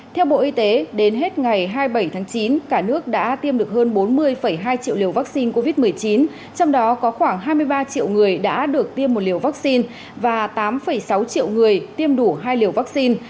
theo bộ y tế đến hết ngày hai mươi bảy tháng chín cả nước đã tiêm được hơn bốn mươi hai triệu liều vaccine covid một mươi chín trong đó có khoảng hai mươi ba triệu người đã được tiêm một liều vaccine và tám sáu triệu người tiêm đủ hai liều vaccine